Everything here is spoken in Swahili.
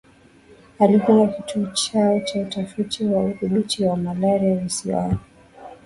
Alifunga kituo chao cha Utafiti na Udhibiti wa malaria Visiwani